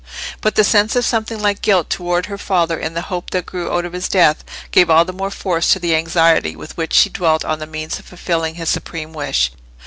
But the sense of something like guilt towards her father in a hope that grew out of his death, gave all the more force to the anxiety with which she dwelt on the means of fulfilling his supreme wish.